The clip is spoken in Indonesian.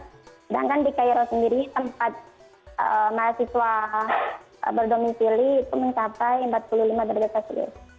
sedangkan di cairo sendiri tempat mahasiswa berdomisili itu mencapai empat puluh lima derajat celcius